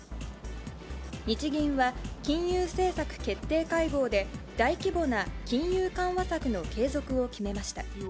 日銀は、金融政策決定会合で大規模な金融緩和策の継続を決めました。